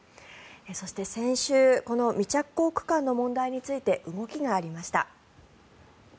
そして、先週この未着工区間の問題について動きがありました。